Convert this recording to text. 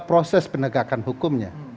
proses penegakan hukumnya